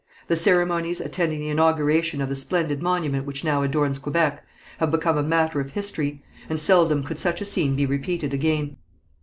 The ceremonies attending the inauguration of the splendid monument which now adorns Quebec, have become a matter of history, and seldom could such a scene be repeated again.